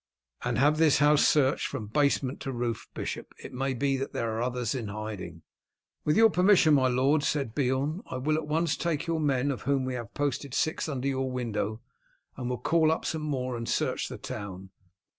"And have this house searched from basement to roof, bishop. It may be that there are others in hiding." "With your permission, my lord," said Beorn, "I will at once take your men, of whom we have posted six under your window, and will call up some more and search the town.